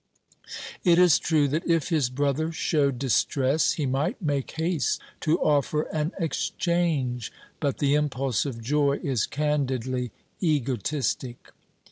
It is true that if his brother showed distress, he might make haste to offer an exchange. But the impulse of joy is candidly egotistic.